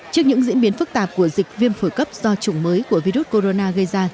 trước những diễn biến phức tạp của dịch viêm phổi cấp do chủng mới của virus corona gây ra